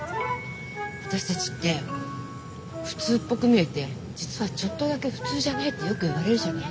私たちって普通っぽく見えて実はちょっとだけ普通じゃないってよく言われるじゃない？